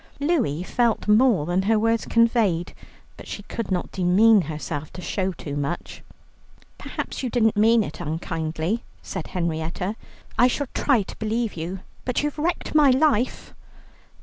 Louie felt more than her words conveyed, but she could not demean herself to show too much. "Perhaps you didn't mean it unkindly," said Henrietta; "I shall try to believe you, but you've wrecked my life."